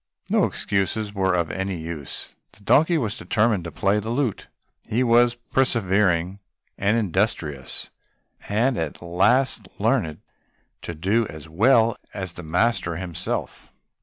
No excuses were of any use. The donkey was determined to play the lute; he was persevering and industrious, and at last learnt to do it as well as the master himself.